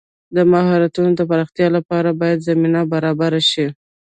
د مهارتونو د پراختیا لپاره باید زمینه برابره شي.